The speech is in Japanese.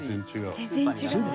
全然違う。